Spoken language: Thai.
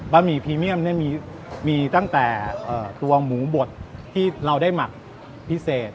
หมี่พรีเมียมเนี่ยมีตั้งแต่ตัวหมูบดที่เราได้หมักพิเศษ